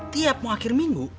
tiap mau akhir minggu